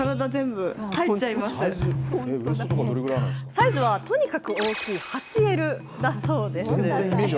サイズはとにかく大きい８Ｌだそうです。